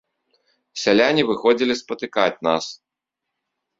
Сяляне выходзілі спатыкаць нас.